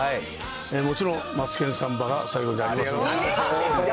もちろん、マツケンサンバが最後にありますので。